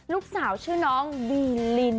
ลูกสาวชื่อน้องวีลิน